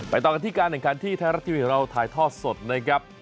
ต่อกันที่การแข่งขันที่ไทยรัฐทีวีของเราถ่ายทอดสดนะครับ